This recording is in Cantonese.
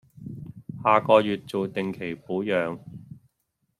下個月做定期保養